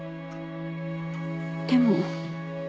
でも。